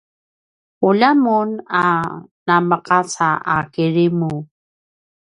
ulja mun a nameqaca a kirimu